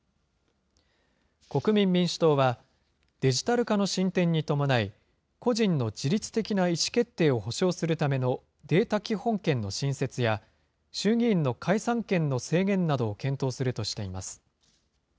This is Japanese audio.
国民民主党は、デジタル化の進展に伴い、個人の自律的な意思決定を保障するためのデータ基本権の新設や、衆議院の解散権の制限などを検討するとしています。